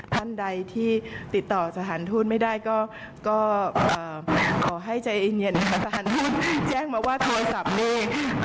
ท่านใดที่ติดต่อสถานทูตไม่ได้ก็ขอให้ใจเย็นนะคะสถานทูตแจ้งมาว่าโทรศัพท์นี่